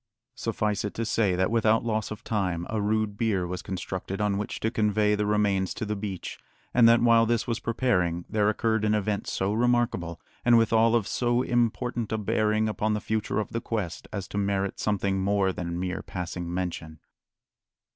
Suffice it to say that without loss of time a rude bier was constructed on which to convey the remains to the beach, and that while this was preparing there occurred an event so remarkable, and withal of so important a bearing upon the future of the quest, as to merit something more than mere passing mention.